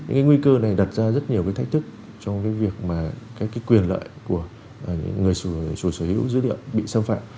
nguy cơ này đặt ra rất nhiều thách thức trong việc quyền lợi của người chủ sở hữu dữ liệu bị xâm phạm